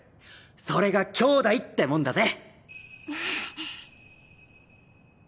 それが兄弟ってもんだぜ。